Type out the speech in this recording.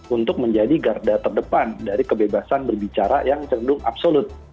untuk menjadi garda terdepan dari kebebasan berbicara yang cenderung absolut